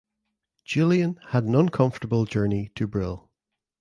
Julian had an uncomfortable journey to Brill.